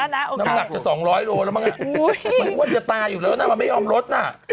น้ำหนักจะสองร้อยโลแล้วมั้งควรจะตายอยู่แล้วนะมันไม่ยอมรดล่ะ